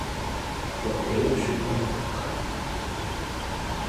又俾人穿櫃桶底